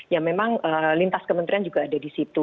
ya memang lintas kementerian juga ada di situ